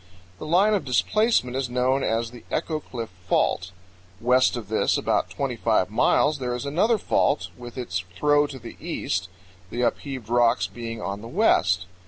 The line of displacement is known as the Echo Cliff Fault. West of this about twenty five miles, there is another fault with its throw to the east, the upheaved rocks being on the west.